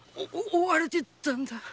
追われてたんだ。